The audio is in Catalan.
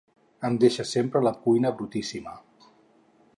Em deixa sempre la cuina brutíssima.